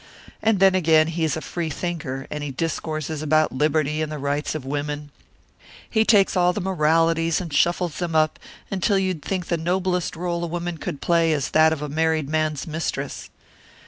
And then again, he is a free thinker, and he discourses about liberty and the rights of women. He takes all the moralities and shuffles them up, until you'd think the noblest role a woman could play is that of a married man's mistress."